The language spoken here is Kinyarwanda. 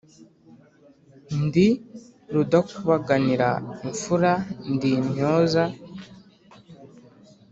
Ndi rudakubaganira imfura ndi intyoza